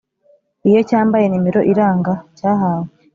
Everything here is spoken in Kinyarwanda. iyo cyambaye nimero iranga cyahawe.